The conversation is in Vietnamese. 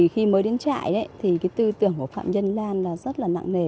khi mới đến trại tư tưởng của phạm nhân lan rất là nặng nề